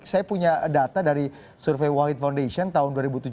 saya punya data dari survei wahid foundation tahun dua ribu tujuh belas